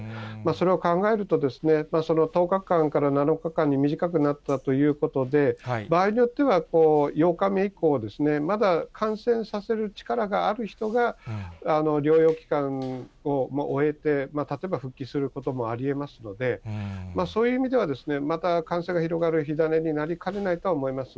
それを考えると、その１０日間から７日間に短くなったということで、場合によっては、８日目以降、まだ感染させる力がある人が、療養期間を終えて、例えば復帰することもありえますので、そういう意味では、また感染が広がる火種になりかねないとは思います。